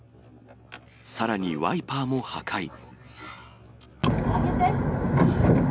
さらにワイパーも破壊。